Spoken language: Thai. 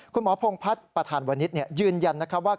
คุณหมอพพวยืนยันว่า